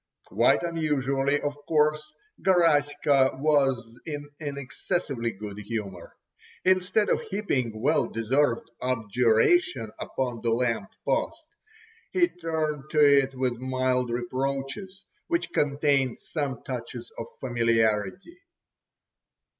Quite unusually, of course, Garaska was in an excessively good humour. Instead of heaping well deserved objurgations upon the lamp post he turned to it with mild reproaches, which contained some touches of familiarity.